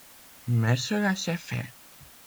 Mais cela s’est fait.